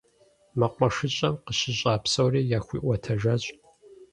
МэкъумэшыщӀэм къыщыщӀа псори яхуиӀуэтэжащ.